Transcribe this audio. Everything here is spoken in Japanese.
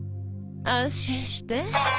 安心して。